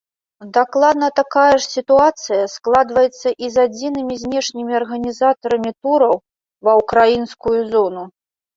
Дакладна такая ж сітуацыя складваецца і з адзінымі знешнімі арганізатарамі тураў ва ўкраінскую зону.